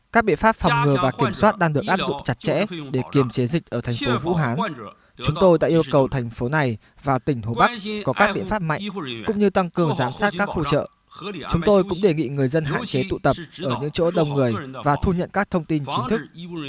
các biện pháp phòng ngừa và kiểm soát đang được áp dụng chặt chẽ để kiềm chế dịch ở thành phố vũ hán chúng tôi đã yêu cầu thành phố này và tỉnh hồ bắc có các biện pháp mạnh cũng như tăng cường giám sát các khu chợ chúng tôi cũng đề nghị người dân hạn chế tụ tập ở những chỗ đông người và thu nhận các thông tin chính thức